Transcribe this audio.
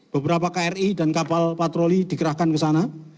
beberapa kri dan kapal patroli dikerahkan ke sana